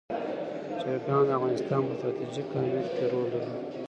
چرګان د افغانستان په ستراتیژیک اهمیت کې رول لري.